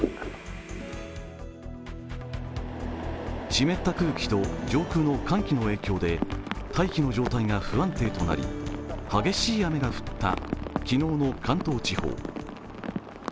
湿った空気と上空の寒気の影響で大気の状態が不安定となり激しい雨が降った昨日の関東地方。